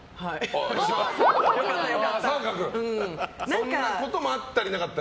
そんなこともあったりなかったり。